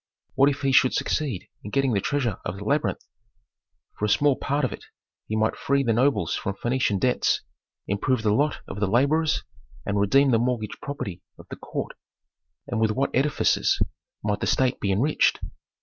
What if he should succeed in getting the treasure of the labyrinth! For a small part of it he might free the nobles from Phœnician debts, improve the lot of the laborers and redeem the mortgaged property of the court. And with what edifices might the state be enriched!